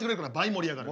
盛り上がる？